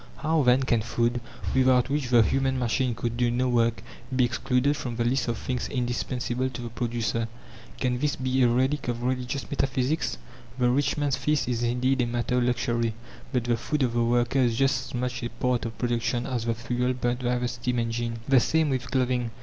How then can food, without which the human machine could do no work, be excluded from the list of things indispensable to the producer? Can this be a relic of religious metaphysics? The rich man's feast is indeed a matter of luxury, but the food of the worker is just as much a part of production as the fuel burnt by the steam engine. The same with clothing.